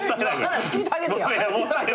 話聞いてあげてや。